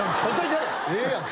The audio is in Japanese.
ええやんけ。